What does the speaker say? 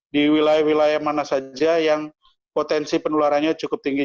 di wilayah wilayah mana saja yang potensi penularannya cukup tinggi